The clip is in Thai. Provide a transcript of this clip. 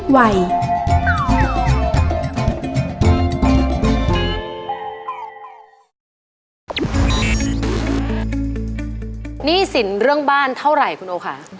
หนี้สินเรื่องบ้านเท่าไหร่คุณโอคะ